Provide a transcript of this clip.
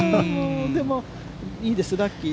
でも、いいです、ラッキー。